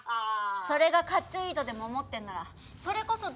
それがかっちょいいとでも思ってんならそれこそどうかなって。